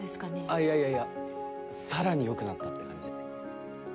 あいやいやさらに良くなったって感じ。